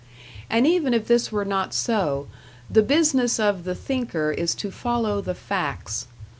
And even if this were not so, the business of the thinker is to follow the facts.